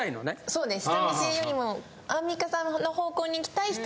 そうですね。